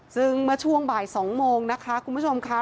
ซึ่งมาช่วงบ่ายสองโมงนะคะคุณผู้ชมคะ